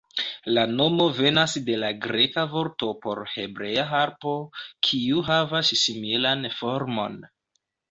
La nomo venas de la greka vorto por hebrea harpo, kiu havas similan formon.